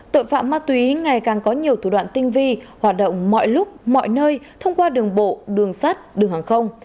tội phạm ma túy ngày càng có nhiều thủ đoạn tinh vi hoạt động mọi lúc mọi nơi thông qua đường bộ đường sắt đường hàng không